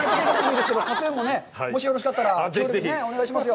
ＫＡＴ−ＴＵＮも、もしよろしかったら、お願いします。